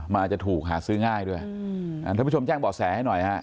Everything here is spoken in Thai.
มาอาจจะถูกหาซื้อง่ายด้วยอืมอ่าถ้าผู้ชมแจ้งบอกแสว่าให้หน่อยฮะ